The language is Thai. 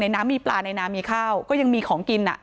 น้ำมีปลาในน้ำมีข้าวก็ยังมีของกิน